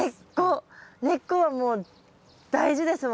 根っこはもう大事ですもんね。